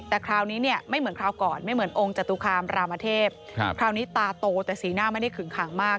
แต่คราวนี้เนี่ยไม่เหมือนคราวก่อนไม่เหมือนองค์จตุคามรามเทพคราวนี้ตาโตแต่สีหน้าไม่ได้ขึงขังมาก